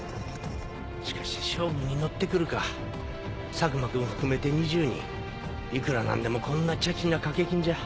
しかし勝負に乗って来るか佐久間君含めて２０人いくら何でもこんなちゃちな賭け金じゃ。